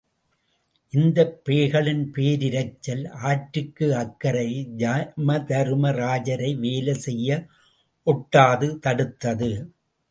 இந்தப் பேய்களின் பேரிரைச்சல் ஆற்றுக்கு அக்கரையில் யமதருமராஜரை வேலை செய்ய ஒட்டாது தடுத்தது.